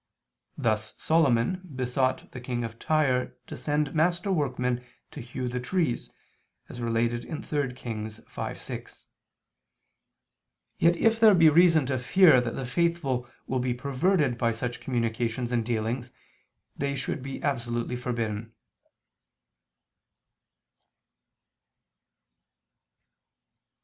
Thus Solomon besought the King of Tyre to send master workmen to hew the trees, as related in 3 Kings 5:6. Yet, if there be reason to fear that the faithful will be perverted by such communications and dealings, they should be absolutely forbidden.